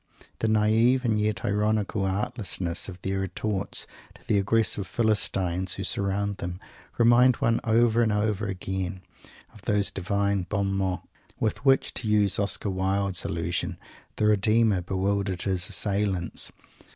The naive, and yet ironical, artlessness of their retorts to the aggressive Philistines who surround them remind one over and over again of those Divine "bon mots" with which, to use Oscar Wilde's allusion, the Redeemer bewildered His assailants.